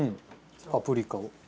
パプリカを。